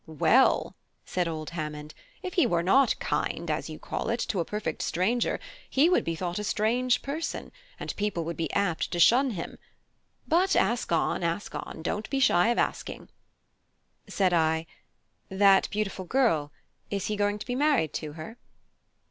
"Well," said old Hammond, "if he were not 'kind', as you call it, to a perfect stranger he would be thought a strange person, and people would be apt to shun him. But ask on, ask on! don't be shy of asking." Said I: "That beautiful girl, is he going to be married to her?"